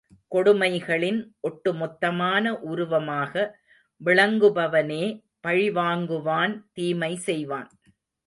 கொடுமைகளின் ஒட்டுமொத்தமான உருவமாக விளங்குபவனே பழிவாங்குவான் தீமை செய்வான்.